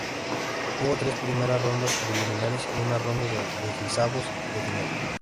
Hubo tres primeras rondas preliminares y una ronda de dieciseisavos de final.